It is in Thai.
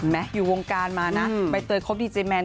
แม้อยู่วงการมานะไปเตรียมครบดีเจย์แมน